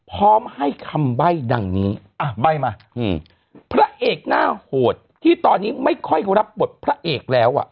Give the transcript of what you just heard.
พร้อมให้คำใบ้ดังนี้อ่ะใบ้มาพระเอกหน้าโหดที่ตอนนี้ไม่ค่อยรับบทพระเอกแล้วอ่ะ